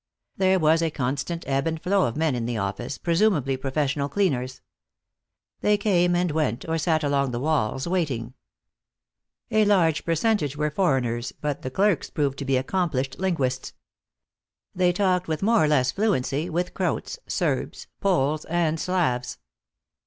There was a constant ebb and flow of men in the office, presumably professional cleaners. They came and went, or sat along the walls, waiting. A large percentage were foreigners but the clerks proved to be accomplished linguists. They talked, with more or less fluency, with Croats, Serbs, Poles and Slavs.